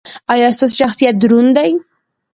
ایا ستاسو شخصیت دروند دی؟